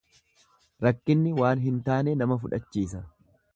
Rakkinni waan hin taane nama fudhachiisa.